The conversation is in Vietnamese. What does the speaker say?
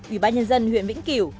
ủy ban nhân dân huyện vĩnh kiểu